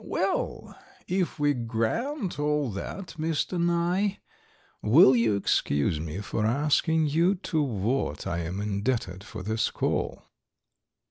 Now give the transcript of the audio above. "Well, if we grant all that, Mr. Nye, will you excuse me for asking you to what I am indebted for this call?"